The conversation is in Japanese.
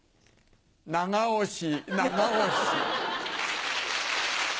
長押し長押し。